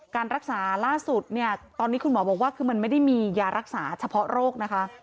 การรักษาล่าสุดเนี่ยตอนนี้คุณหมอบอกว่าคือมันไม่ได้มียารักษาเฉพาะโรคนะคะ